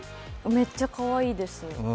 めっちゃかわいいです。